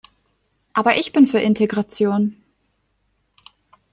Aber ich bin für Integration.